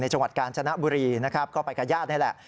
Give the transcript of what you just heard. จังหวัดกาญจนบุรีนะครับก็ไปกับญาตินี่แหละ